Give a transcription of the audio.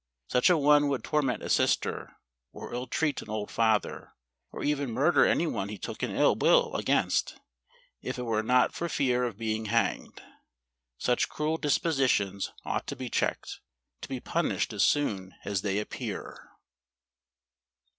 Such a one would torment a sister, or ill treat an old father, or even murder any one he took an ill will against, if it were not for fear of being hanged. Such cruel dispositions ought to be checked, to be punished as soon as they appear.